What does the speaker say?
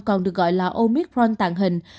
còn được gọi là omicron tàng hình